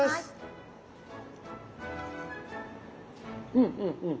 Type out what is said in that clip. うんうんうん。